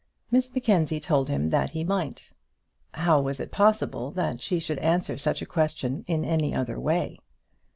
Miss Mackenzie told him that he might. How was it possible that she should answer such a question in any other way?